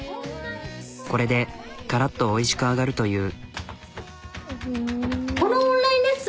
これでカラッとおいしく揚がるという。